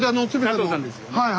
はい。